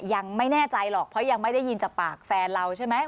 ยังไม่แน่ใจหรอกเพราะยังไม่ได้ยินจากปากแฟนเราใช่ไหม